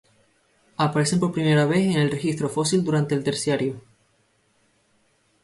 Aparecen por primera vez en el registro fósil durante el Terciario.